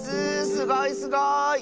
すごいすごい！